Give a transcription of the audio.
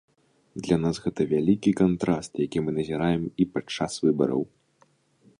Для нас гэта вялікі кантраст, які мы назіраем і падчас выбараў.